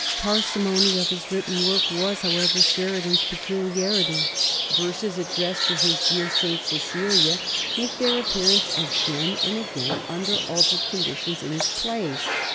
Parsimony of his written work was, however, Sheridan's peculiarity. Verses addressed to his dear St. Cecilia make their appearance again and again, under altered conditions, in his plays.